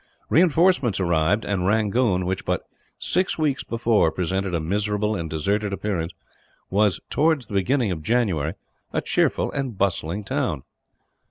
Reinforcements arrived; and Rangoon, which but six weeks before presented a miserable and deserted appearance was, towards the beginning of January, a cheerful and bustling town.